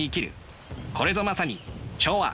これぞまさに調和！